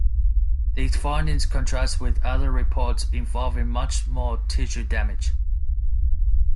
These findings contrast with other reports involving much more tissue damage.